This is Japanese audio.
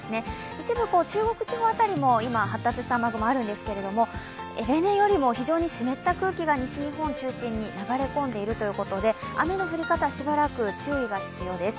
一部中国地方あたりも今、発達した雨雲があるんですが、例年よりも湿った空気が西日本中心に流れ込んでいるということで雨の降り方しばらく注意が必要です。